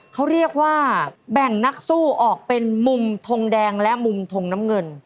เขาเรียกว่าแบ่งนักสู้ออกเป็นมุมทงแดงและมุมทงน้ำเงิน